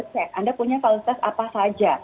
kalau saya sarannya adalah gunakan kualitas apa saja